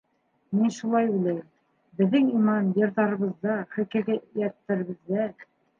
- Мин шулай уйлайым: беҙҙең иман - йырҙарыбыҙҙа, хикәйәттәребеҙҙә.